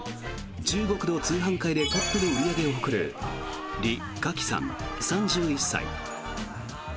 中国の通販界でトップの売り上げを誇るリ・カキさん、３１歳。